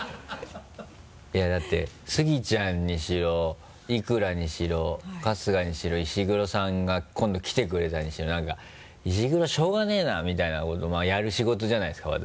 いやだってスギちゃんにしろ伊倉にしろ春日にしろ石黒さんが今度来てくれたにしろ何か「石黒しょうがねぇな」みたいなことをやる仕事じゃないですか私。